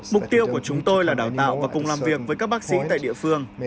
mục tiêu của chúng tôi là đào tạo và cùng làm việc với các bác sĩ tại địa phương